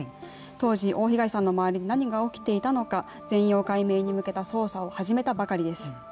当時、大東さんの周りで何が起きていたのか全容解明に向けた捜査を始めたばかりです。